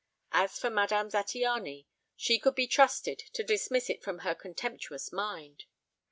As for Madame Zattiany, she could be trusted to dismiss it from her contemptuous mind.